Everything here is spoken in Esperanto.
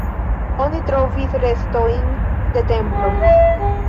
Oni trovis restojn de templo.